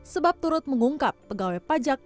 sebab turut mengungkap pegawai pajak